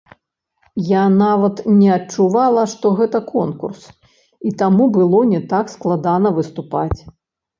Я нават не адчувала, што гэта конкурс, і таму было не так складана выступаць.